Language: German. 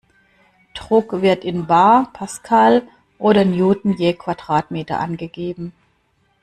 Druck wird in bar, Pascal oder Newton je Quadratmeter angegeben.